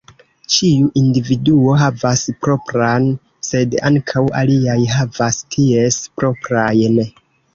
Ĉiu individuo havas propran, sed ankaŭ aliaj havas ties proprajn.